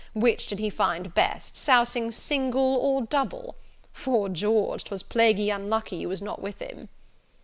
which did he find best, sousing single or double? 'Fore George, 'twas plaguy unlucky you was not with him!"